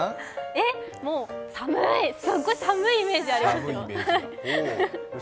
えっ、もう寒い、すっごい寒いイメージありますよ。